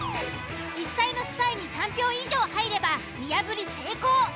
実際のスパイに３票以上入れば見破り成功。